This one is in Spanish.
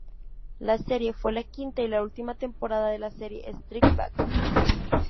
La serie fue la quinta y última temporada de la serie "Strike Back".